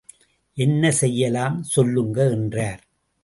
என்னசெய்யலாம், சொல்லுங்க என்றார்.